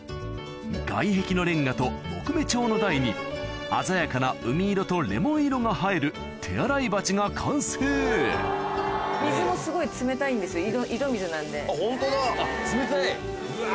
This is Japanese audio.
外壁のレンガと木目調の台に鮮やかな海色とレモン色が映える手洗い鉢が完成ホントだ！